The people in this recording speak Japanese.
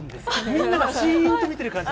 みんながシーンと見てる感じ？